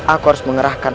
aku harus mengerahkan